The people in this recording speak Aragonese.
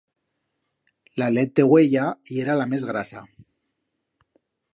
La let de uella yera la mes grasa.